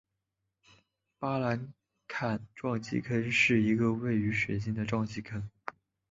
巴兰钦撞击坑是一个位于水星上的撞击坑。